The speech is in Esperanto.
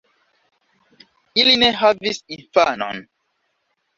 Ili ne havis infanon.